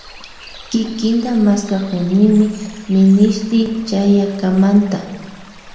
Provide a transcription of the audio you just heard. Kikinta mashkakunimi minishti chayakamanta.